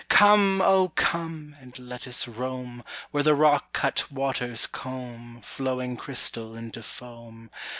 "Come, oh, come! and let us roam Where the rock cut waters comb Flowing crystal into foam.